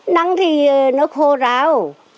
nắng thì nó khô ráo